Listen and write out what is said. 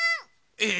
え！